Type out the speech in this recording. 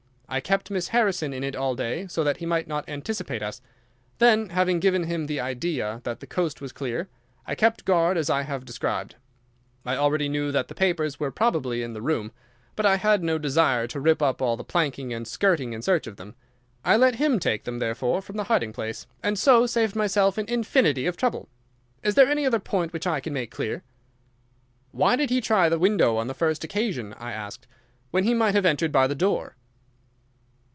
I kept Miss Harrison in it all day so that he might not anticipate us. Then, having given him the idea that the coast was clear, I kept guard as I have described. I already knew that the papers were probably in the room, but I had no desire to rip up all the planking and skirting in search of them. I let him take them, therefore, from the hiding place, and so saved myself an infinity of trouble. Is there any other point which I can make clear?" "Why did he try the window on the first occasion," I asked, "when he might have entered by the door?"